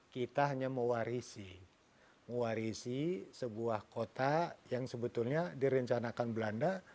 kita hanya mewarisi sebuah kota yang sebetulnya direncanakan belanda